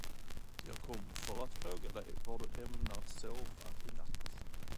Jag kommer för att fråga dig, var du ämnar sova i natt.